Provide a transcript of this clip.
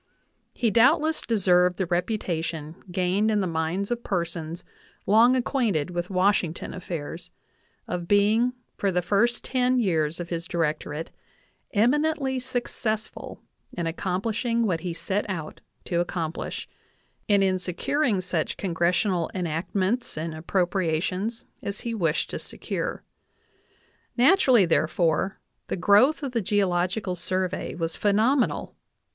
He doubtless deserved the reputation gained in the minds of persons long acquainted with Washington affairs, of being for the first ten years of his directorate eminently successful in accomplishing what he set out to accomplish, and in securing such Con gressional enactments and appropriations as he wished to secure. Naturally, therefore, I the growth of the Geological Survey was phenomenal.